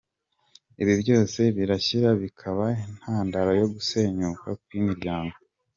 Ibi byose birashyira bikaba intandaro yo gusenyuka kw’imiryango.